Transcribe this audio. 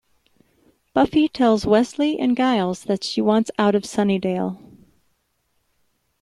Buffy tells Wesley and Giles that she wants out of Sunnydale.